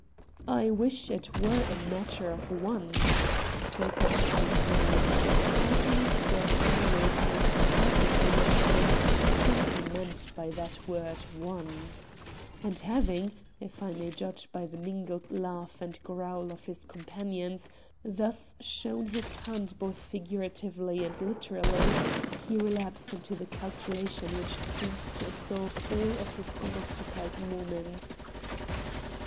"I wish it were a matter of one," spoke up the big man, striking his breast in a way to make it perfectly apparent whom he meant by that word one. And having (if I may judge by the mingled laugh and growl of his companions) thus shown his hand both figuratively and literally, he relapsed into the calculation which seemed to absorb all of his unoccupied moments.